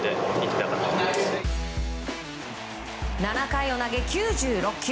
７回を投げ９６球。